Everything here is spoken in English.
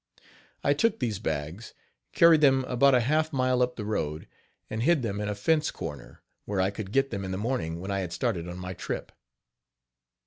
I took these bags, carried them about a half mile up the road, and hid them in a fence corner, where I could get them in the morning when I had started on my trip.